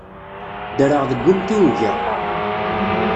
Ddreɣ deg umtiweg-a.